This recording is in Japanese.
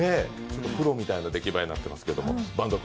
プロみたいな出来栄えになってますけど。